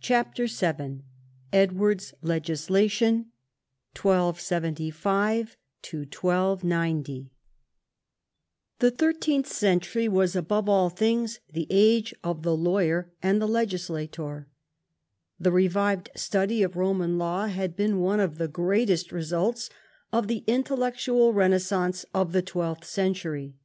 CHAPTER VII Edward's legislation 1275 1290 The thirteenth century was above all things the age of the lawyer and the legislator. The revived study of Roman law had been one of the greatest results of the intellectual renaissance of the twelfth century.